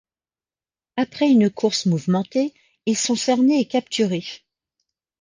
Après une course mouvementée, ils sont cernés et capturés.